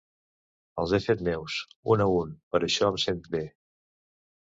Els he fet meus, un a un, per això em sent bé...